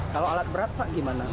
kalau alat berat pak gimana